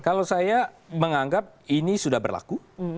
kalau saya menganggap ini sudah berlaku